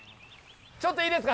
ちょっといいですか？